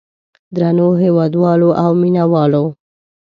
درنو هېوادوالو او مینه والو.